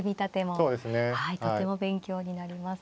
はいとても勉強になります。